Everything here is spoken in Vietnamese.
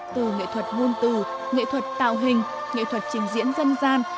từ nghệ thuật nguồn tử nghệ thuật tạo hình nghệ thuật trình diễn dân gian